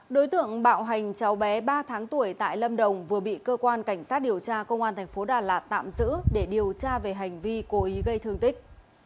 đối tượng bạo hành cháu bé ba tháng tuổi tại lâm đồng vừa bị cơ quan cảnh sát điều tra công an thành phố đà lạt tạm giữ để điều tra về hành vi cố ý gây thương tích